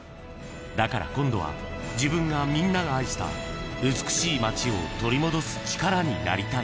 だから今度は、自分がみんなが愛した美しい町を取り戻す力になりたい。